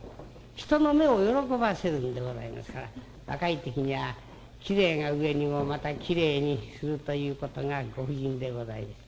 人の目を喜ばせるんでございますから若い時にはきれいが上にもまたきれいにするということがご婦人でございまして。